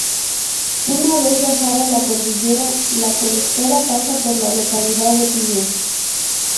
Una vez bajada la cordillera, la colectora pasa por la localidad de Piñas.